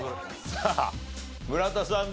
さあ村田さん